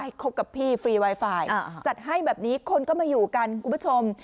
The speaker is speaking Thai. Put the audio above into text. คบกับพี่ฟรีไวไฟจัดให้แบบนี้คนก็มาอยู่กันคุณผู้ชม